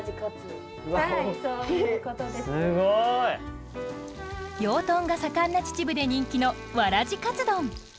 すごい！養豚が盛んな秩父で人気のわらじかつ丼。